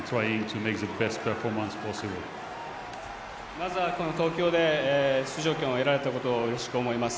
まずはこの東京で出場権を得られたことうれしく思います。